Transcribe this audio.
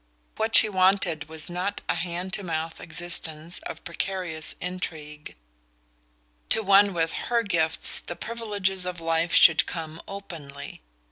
What she wanted was not a hand to mouth existence of precarious intrigue: to one with her gifts the privileges of life should come openly.